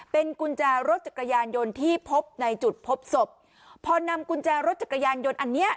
เป็นกุญแจรถจักรยานยนต์ที่พบในจุดพบศพพอนำกุญแจรถจักรยานยนต์อันเนี้ย